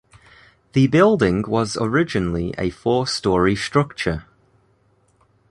The building was originally a four-story structure.